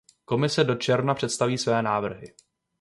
Komise do června představí své návrhy.